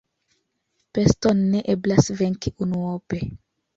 Peston ne eblas venki unuope.